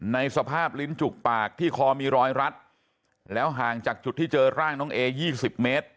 ในสภาพลิ้นจุกปากที่คอมีรอยรัดแล้วห่างจากจุดที่เจอร่างน้องเอ๒๐เมตร